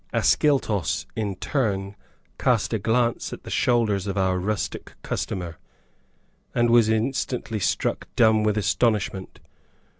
Ascyltos, in turn, cast a glance at the shoulders of our rustic customer, and was instantly struck dumb with astonishment.